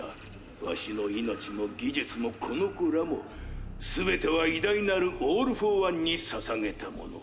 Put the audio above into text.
ワシの命も技術もこの子らも全ては偉大なるオール・フォー・ワンに捧げたもの。